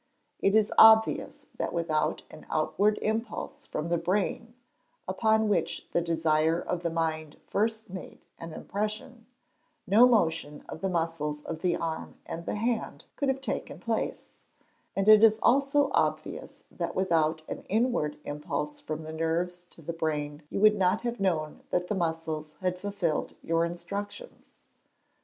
It is obvious that without an outward impulse from the brain, upon which the desire of the mind first made an impression, no motion of the muscles of the arm and the hand could have taken place; and it is also obvious that without an inward impulse from the nerves to the brain you would not have known that the muscles had fulfilled your instructions.